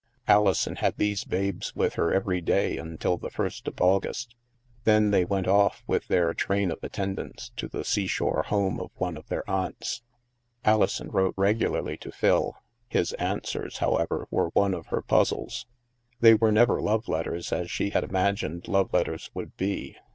Alison had these babes with her every day until the first of August. Then they went off, with their train of attendants, to the seashore home of one of their aunts. Alison wrote regularly to Phil. His answers, however, were one of her puzzles. They were never love letters as she had imagined love letters would be.